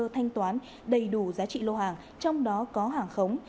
thanh toán đầy đủ giá trị lô hàng trong đó có hàng khống